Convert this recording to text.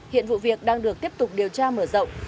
hiện vụ việc đang được tiếp tục điều tra mở rộng